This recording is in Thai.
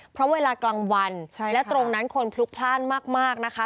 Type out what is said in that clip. เพราะเวลากลางวันและตรงนั้นคนพลุกพลาดมากนะคะ